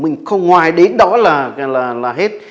ngoài đến đó là hết